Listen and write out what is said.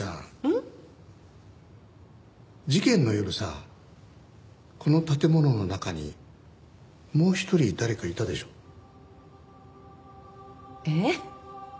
ん？事件の夜さこの建物の中にもう一人誰かいたでしょ？えっ？